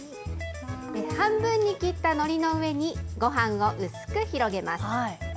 半分に切ったのりの上に、ごはんを薄く広げます。